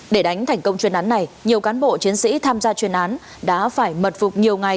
để đánh thành công chuyên án này nhiều cán bộ chiến sĩ tham gia chuyên án đã phải mật phục nhiều ngày